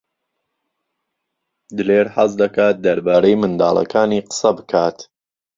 دلێر حەز دەکات دەربارەی منداڵەکانی قسە بکات.